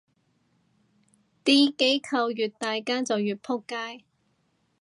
啲機構越大間就越仆街